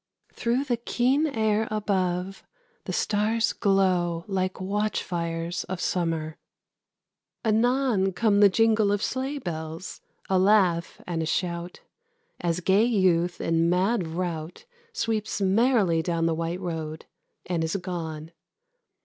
Through the keen air above The stars glow like watch fires of summer. Anon Come the jingle of sleigh bells, a laugh and a shout, As gay youth, in mad rout, Sweeps merrily down the white road, and is gone.